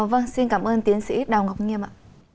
vâng xin cảm ơn tiến sĩ đào ngọc nghiêm ạ